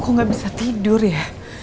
aku gak bisa tidur ya